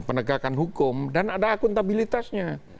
penegakan hukum dan ada akuntabilitasnya